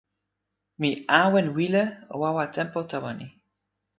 mi awen wile wawa tenpo tawa ni.